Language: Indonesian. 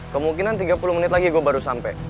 kemungkinan tiga puluh menit lagi gue baru sampai